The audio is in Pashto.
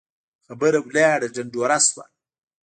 خبره لاړه ډنډوره شوه.